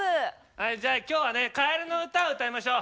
はいじゃあ今日はね「かえるのうた」を歌いましょう。